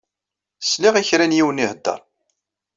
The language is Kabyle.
Sliɣ i kra n yiwen iheddeṛ.